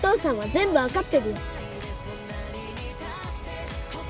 全部分かってるよ